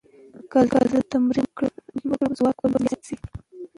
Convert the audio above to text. که زه تمرین وکړم، ځواک به زیات شي.